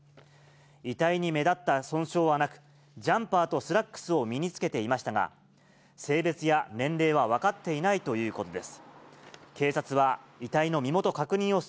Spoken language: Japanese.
遺体に目立った損傷はなく、ジャンパーとスラックスを身につけていましたが、性別や年齢は分お天気は杉江さんです。